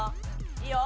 いいよ！